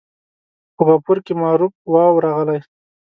په غفور کې معروف واو راغلی.